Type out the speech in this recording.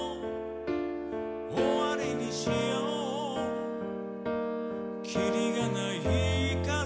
「終わりにしようきりがないから」